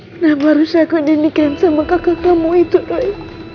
kenapa harus aku di nikahin sama kakak kamu itu roy